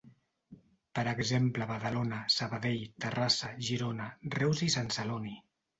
Per exemple a Badalona, Sabadell, Terrassa, Girona, Reus i Sant Celoni.